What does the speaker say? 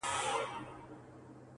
ناست یمه ترې لپې ډکومه زه ,